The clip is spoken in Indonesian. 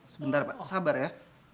sebentar pak sabar ya